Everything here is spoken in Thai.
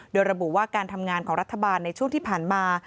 โดยระบุว่าการทำงานของรัฐบาลในช่วงที่ผ่านมา